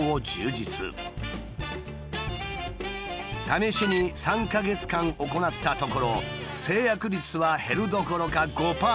試しに３か月間行ったところ成約率は減るどころか５％アップしたという。